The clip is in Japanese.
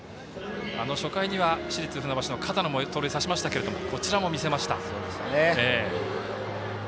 初回には市立船橋の片野も盗塁を刺しましたけれどもこちらも見せました。